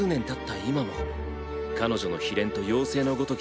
今も彼女の悲恋と妖精のごとき